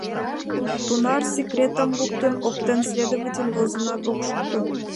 Тунар секретым луктын оптем — следователь возенат ок шукто.